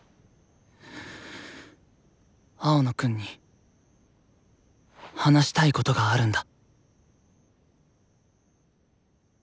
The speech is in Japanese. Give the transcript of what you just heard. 青野くんに話したいことがあるんだ。